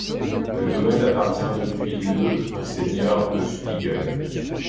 Le domaine appartient depuis le aux seigneurs de Spiegel.